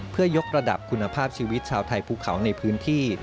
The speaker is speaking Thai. เพื่อยกระดับคุณภาพชีวิตชาวไทยภูเขาในพื้นที่